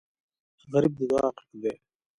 غریب د دعا غږ دی